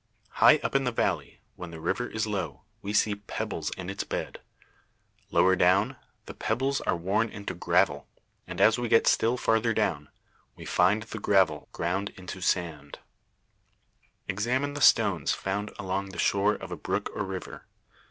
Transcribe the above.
High up in the valley, when the river is low, we see pebbles in its bed; lower down, the pebbles are worn into gravel; and as we get still farther down, we find the gravel ground into sand. Examine the stones found along the shore of a brook or river.